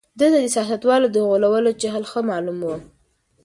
ده ته د سياستوالو د غولولو چل ښه معلوم و.